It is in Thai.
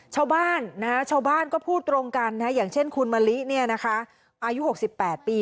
ชาวบ้านนะชาวบ้านก็พูดตรงกันนะอย่างเช่นคุณมะลิเนี่ยนะคะอายุ๖๘ปีก็บอกว่า